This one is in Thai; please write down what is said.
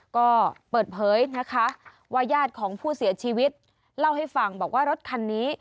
ก็เปิดเผยนะคะว่าญาติของผู้เสียชีวิตเล่าให้ฟังบอกว่ารถคันนี้